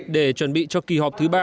để chuẩn bị cho kỳ họp thứ ba